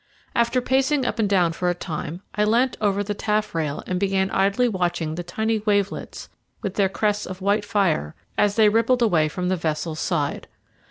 After pacing up and down for a time I leant over the taff rail and began idly watching the tiny wavelets with their crests of white fire as they rippled away from the vessel's side.